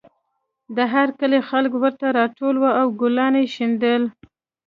د هر کلي خلک ورته راټول وو او ګلان یې شیندل